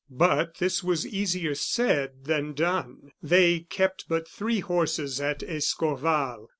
But this was easier said than done. They kept but three horses at Escorval.